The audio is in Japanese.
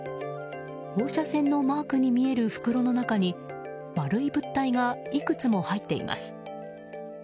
放射線のマークに見える袋の中に丸い物体がいくつも入っています。